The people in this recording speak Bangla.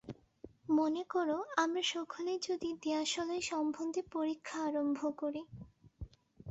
মনে করো আমরা সকলেই যদি দিয়াশলাই সম্বন্ধে পরীক্ষা আরম্ভ করি।